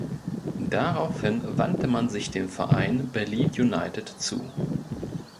Daraufhin wandte man sich dem Verein Berlin United zu.